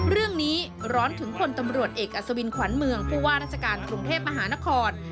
เรื่องนี้ร้อนถึงคนตำรวจเอกอสวินขวานเมืองผู้ว่าศการกรุงเทพมหานคร